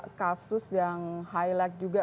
ada kasus yang highlight juga